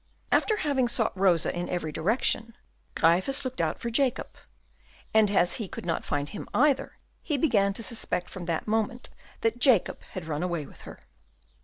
After having sought for Rosa in every direction, Gryphus looked out for Jacob, and, as he could not find him either, he began to suspect from that moment that Jacob had run away with her.